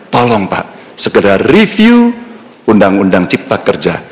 tolong pak segera review undang undang cipta kerja